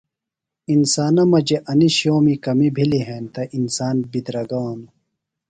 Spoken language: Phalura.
انسانہ مجیۡ اینیۡ شِئومی کمیۡ بِھلیۡ ہینتہ انسان بِدرگانوۡ۔